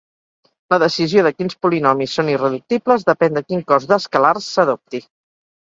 La decisió de quins polinomis són irreductibles depèn de quin cos d'escalars s'adopti.